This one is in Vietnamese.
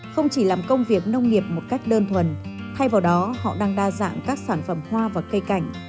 không chỉ làm công việc nông nghiệp một cách đơn thuần thay vào đó họ đang đa dạng các sản phẩm hoa và cây cảnh